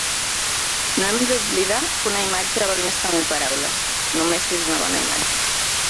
No hem d'oblidar que «una imatge val més que mil paraules» només si és una bona imatge.